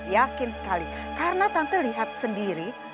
yakin sekali karena tante lihat sendiri